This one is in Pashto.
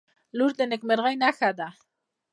• لور د نیکمرغۍ نښه ده.